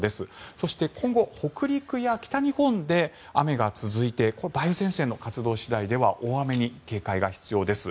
そして、今後は北陸や北日本で雨が続いて梅雨前線の活動次第では大雨に警戒が必要です。